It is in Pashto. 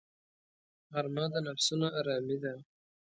غرمه د نفسونو آرامي ده